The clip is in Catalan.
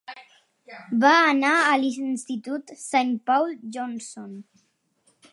Va anar a l'institut Saint Paul Johnson.